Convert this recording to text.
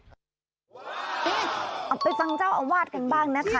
เอาไปฟังเจ้าอาวาสกันบ้างนะคะ